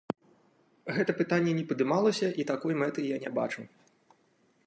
Гэта пытанне не падымалася і такой мэты я не бачу.